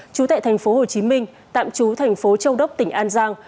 trú tại thành phố hồ chí minh tạm trú thành phố châu đốc tỉnh an giang